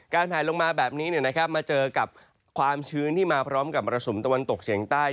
แผลลงมาแบบนี้มาเจอกับความชื้นที่มาพร้อมกับมรสุมตะวันตกเฉียงใต้